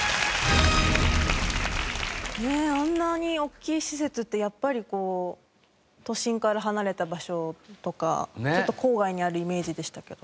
あんなにおっきい施設ってやっぱり都心から離れた場所とかちょっと郊外にあるイメージでしたけど。